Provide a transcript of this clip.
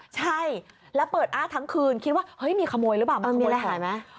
ใช่แล้วเปิดอ้าทั้งคืนคิดว่าเฮ้ยมีขโมยหรือเปล่ามันมีอะไรหายไหม